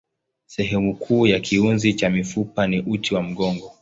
Sehemu kuu ya kiunzi cha mifupa ni uti wa mgongo.